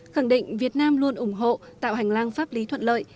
khẳng định việt nam luôn ủng hộ tạo hành lang pháp lý thuận lợi